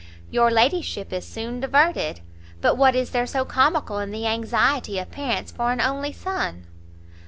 "Your ladyship is soon diverted! but what is there so comical in the anxiety of parents for an only son?"